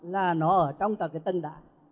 là nó ở trong cả cái tầng đá